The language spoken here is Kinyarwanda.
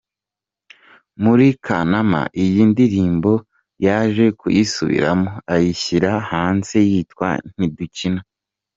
Muri Kanama iyi ndirimbo yaje kuyisubiramo, ayishyira hanze yitwa “Ntidukina”.